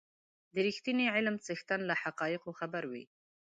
د رښتيني علم څښتن له حقایقو خبر وي.